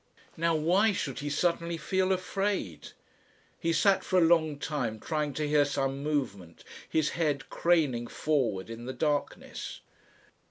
Now why should he suddenly feel afraid? He sat for a long time trying to hear some movement, his head craning forward in the darkness.